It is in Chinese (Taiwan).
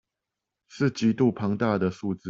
是極度龐大的數字